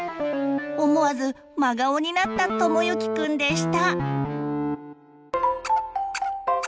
思わず真顔になったともゆきくんでした。